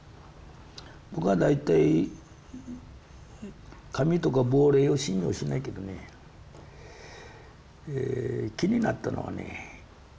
僕は大体神とか亡霊を信用しないけどね気になったのはね